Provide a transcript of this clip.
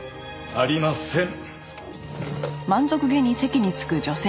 ありません！